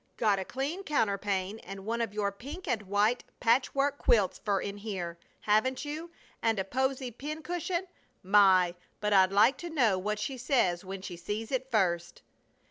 Got a clean counterpane, and one of your pink and white patchwork quilts for in here, haven't you, and a posy pin cushion? My! but I'd like to know what she says when she sees it first!"